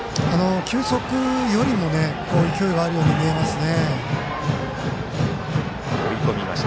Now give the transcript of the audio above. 球速よりも勢いがあるように見えますね。